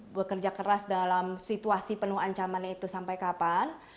bekerja keras dalam situasi penuh ancaman itu sampai kapan